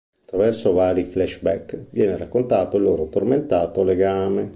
Attraverso vari "flashback" viene raccontato il loro tormentato legame.